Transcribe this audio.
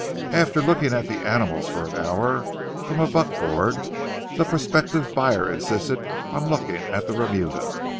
After looking at the animals for an hour, from a buckboard, the prospective buyer insisted on looking at the remuda.